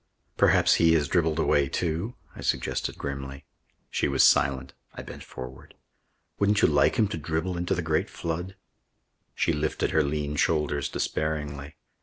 "Perhaps he has dribbled away too?" I suggested grimly. She was silent. I bent forward. "Wouldn't you like him to dribble into the great flood?" She lifted her lean shoulders despairingly.